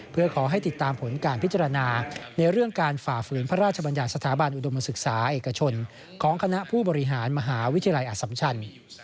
เพื่อขอให้ติดตามผลการพิจารณาในเรื่องการฝ่าฝืนพระราชบัญญัติสถาบันอุดมศึกษาเอกชนของคณะผู้บริหารมหาวิทยาลัยอสัมชัน